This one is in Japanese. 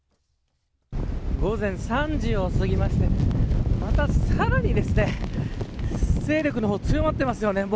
午前３時を過ぎましてまたさらに勢力の方、強まっていますよね。